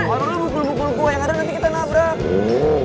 orang lo bukul bukul gue yang ada nanti kita nabrak